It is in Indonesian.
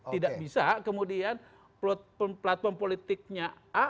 tidak bisa kemudian platform politiknya a